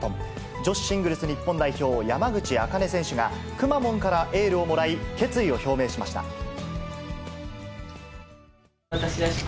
女子シングルス日本代表、山口茜選手がくまモンからエールをもらい、決意を表明しました。